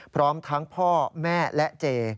พร้อมทั้งพ่อแม่และเจ